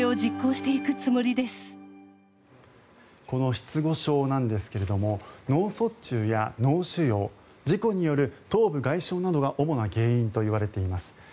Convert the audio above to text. この失語症なんですが脳卒中や脳腫瘍事故による頭部外傷などが主な原因といわれています。